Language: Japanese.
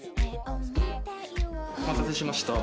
お待たせしました。